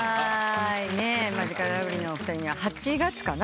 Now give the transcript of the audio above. マヂカルラブリーのお二人は８月かな。